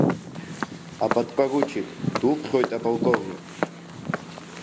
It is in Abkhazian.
Аподпоручик, дуԥхьоит аполковник!